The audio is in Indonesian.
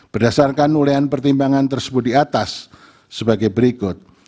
berdasarkan ulean pertimbangan tersebut di atas sebagai berikut